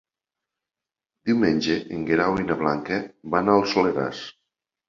Diumenge en Guerau i na Blanca van al Soleràs.